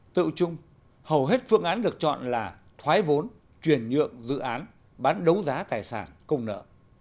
tự trung hầu hết phương án được chọn là thoái vốn chuyển nhượng dự án bán đấu giá tài sản công nợ